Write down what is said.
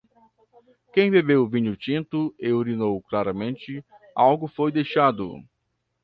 Quem bebeu vinho tinto e urinou claramente, algo foi deixado.